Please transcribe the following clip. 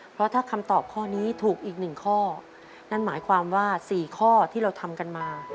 เพราะถ้าคำตอบข้อนี้ถูกอีกหนึ่งข้อนั่นหมายความว่า๔ข้อที่เราทำกันมา